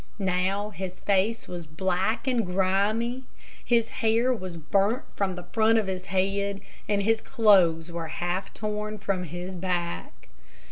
Now his face was black and grimy, his hair was burnt from the front of his head, and his clothes were half torn from his back.